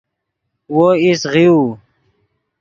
وو ایست غیؤو